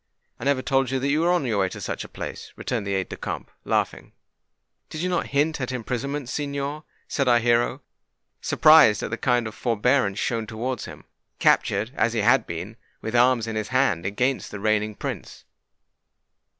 "I never told you that you were on your way to such a place," returned the aide de camp, laughing. "Did you not hint at imprisonment, signor?" said our hero, surprised at the kind forbearance shown towards him—captured, as he had been, with arms in his hand against the reigning Prince.